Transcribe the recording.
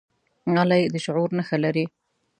غلی، د شعور نښه لري.